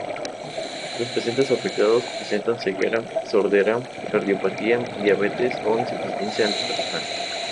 Los pacientes afectados presentan ceguera, sordera, cardiopatía, diabetes e insuficiencia renal.